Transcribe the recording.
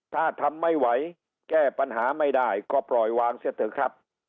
ถ้าทำไม่ไหวแก้ปัญหาไม่ได้ก็ปล่อยวางเสียเถอะครับ